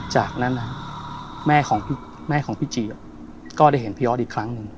จากนั้นแม่ของแม่ของพี่จีก็ได้เห็นพี่ออสอีกครั้งหนึ่ง